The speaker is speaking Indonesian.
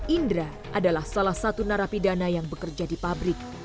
indra adalah salah satu narapidana yang bekerja di pabrik